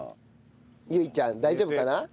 ゆいちゃん大丈夫かな？